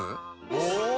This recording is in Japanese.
お！